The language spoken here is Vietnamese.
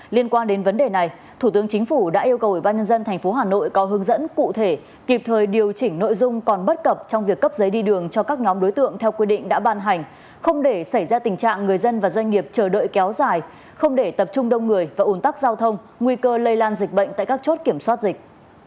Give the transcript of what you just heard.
liên quan đến vấn đề này thủ tướng chính phủ đã yêu cầu ủy ban nhân dân tp hà nội có hướng dẫn cụ thể kịp thời điều chỉnh nội dung còn bất cập trong việc cấp giấy đi đường cho các nhóm đối tượng theo quy định đã ban hành không để xảy ra tình trạng người dân và doanh nghiệp chờ đợi kéo dài không để tập trung đông người và ủn tắc giao thông nguy cơ lây lan dịch bệnh tại các chốt kiểm soát dịch